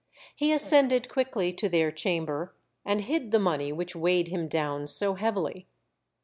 He ascended quickly to their chamber, and hid the money which weighed him down so heavily.